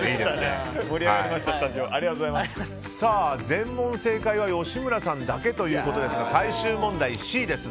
全問正解は吉村さんだけということですが最終問題Ｃです